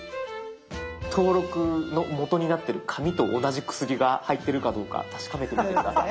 登録のもとになってる紙と同じ薬が入ってるかどうか確かめてみて下さい。